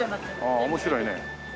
ああ面白いね。